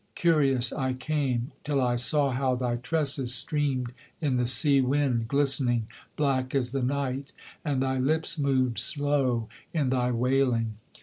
Curious I came, till I saw how thy tresses streamed in the sea wind, Glistening, black as the night, and thy lips moved slow in thy wailing.